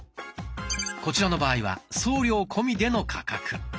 こちらの場合は送料込みでの価格。